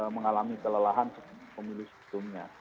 mengalami kelelahan pemilih seumurnya